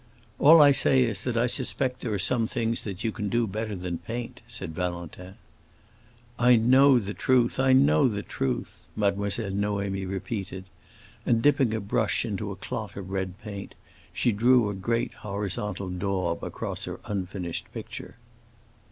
"All I say is that I suspect there are some things that you can do better than paint," said Valentin. "I know the truth—I know the truth," Mademoiselle Noémie repeated. And, dipping a brush into a clot of red paint, she drew a great horizontal daub across her unfinished picture.